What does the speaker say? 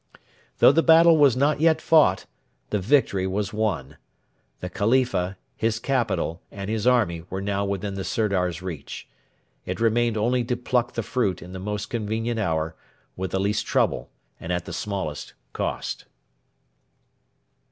Though the battle was not yet fought, the victory was won. The Khalifa, his capital, and his army were now within the Sirdar's reach. It remained only to pluck the fruit in the most convenient hour, with the least trouble and at the smallest cost.